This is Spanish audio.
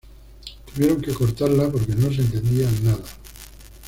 Tuvieron que cortarla porque no se entendía nada."".